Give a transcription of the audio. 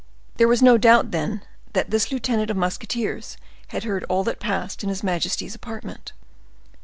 There was no doubt, then, that this lieutenant of musketeers had heard all that passed in his majesty's apartment.